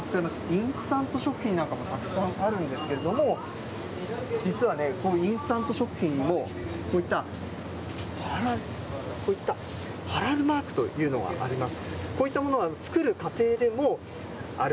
インスタント食品なんかも、たくさんあるんですけれども、実はね、インスタント食品もこういったハラールマークというのがあります。